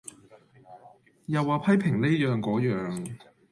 又話批評哩樣個樣